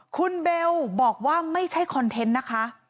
คุณเบลบอกว่าไม่ใช่คอนเทนต์นะคะ